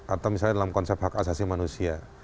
atau misalnya dalam konsep hak asasi manusia